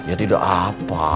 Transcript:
ya tidak apa